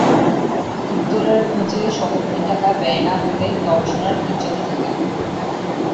উত্তরের খোঁজে শতকোটি টাকা ব্যয় না হলে গবেষণার ইজ্জতই থাকে না।